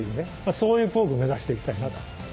そういう工具を目指していきたいな。